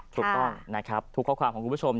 ถูกต้องนะครับทุกข้อความของคุณผู้ชม